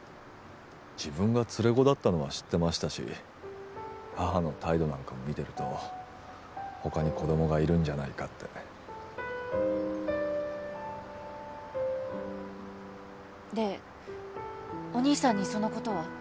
自分が連れ子だったのは知ってましたし母の態度なんかも見てると他に子供がいるんじゃないかってでお兄さんにそのことは？